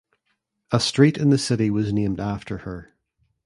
A street in the city was named after her.